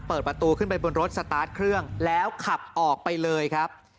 เปิดประตูขึ้นไปบนรถสตาร์ทเครื่องแล้วขับออกไปเลยครับ